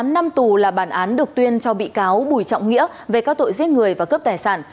một mươi năm năm tù là bản án được tuyên cho bị cáo bùi trọng nghĩa về các tội giết người và cướp tài sản